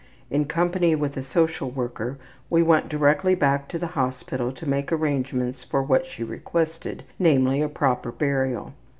In company with a social worker she went directly back to the hospital to make arrangements for what she requested, namely, a proper burial.